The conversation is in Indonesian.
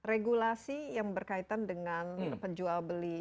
regulasi yang berkaitan dengan penjual beli